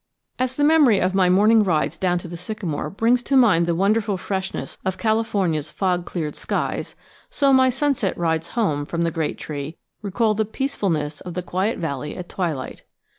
As the memory of my morning rides down to the sycamore brings to mind the wonderful freshness of California's fog cleared skies, so my sunset rides home from the great tree recall the peacefulness of the quiet valley at twilight.